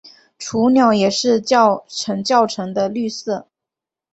雏鸟也是呈较沉的绿色。